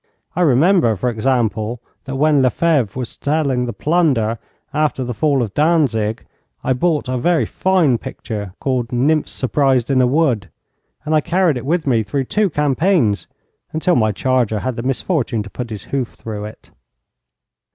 I remember, for example, that when Lefebvre was selling the plunder after the fall of Danzig, I bought a very fine picture, called 'Nymphs Surprised in a Wood,' and I carried it with me through two campaigns, until my charger had the misfortune to put his hoof through it.